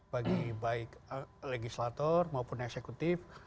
bagi baik legislator maupun eksekutif